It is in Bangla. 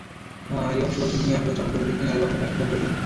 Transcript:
আরি অবশ্য বলছেন, তিনি আসল চমক জমিয়ে রেখেছেন অ্যালবামের বাকি গানগুলোর জন্য।